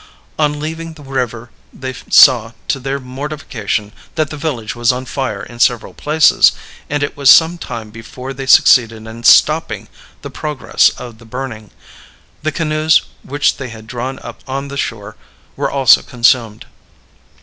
On leaving the river, they saw, to their mortification, that the village was on fire in several places, and it was some time before they succeeded in stopping the progress of the burning; the canoes which they had drawn up on the shore were also consumed.